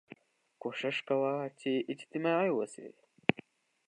کوښښ کوه چې اجتماعي واوسې